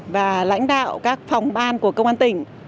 và lãnh đạo các phòng ban của công an tỉnh